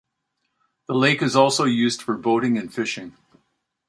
The lake is also used for boating and fishing.